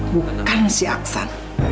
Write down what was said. bukan si aksan